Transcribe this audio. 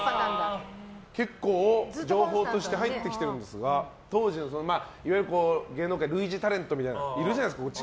情報として入ってきてるんですが当時の芸能界、類似タレントとかいるじゃないですか。